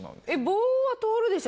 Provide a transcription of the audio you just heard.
棒は通るでしょ